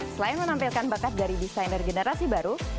selain menampilkan bakat dari desainer generasi baru